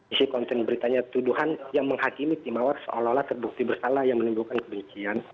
isi konten beritanya tuduhan yang menghakimi tim mawar seolah olah terbukti bersalah yang menimbulkan kebencian